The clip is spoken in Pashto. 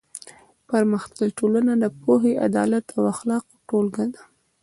پرمختللې ټولنه د پوهې، عدالت او اخلاقو ټولګه ده.